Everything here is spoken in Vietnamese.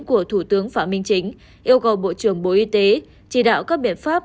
của thủ tướng phạm minh chính yêu cầu bộ trưởng bộ y tế chỉ đạo các biện pháp